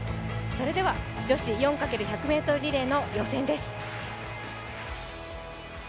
それでは女子４×１００ｍリレーの予選です。